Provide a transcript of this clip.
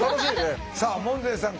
さあ門前さん